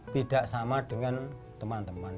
tidak sama dengan teman teman